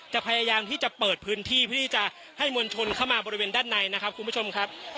พยายามที่จะเปิดพื้นที่เพื่อที่จะให้มวลชนเข้ามาบริเวณด้านในนะครับคุณผู้ชมครับ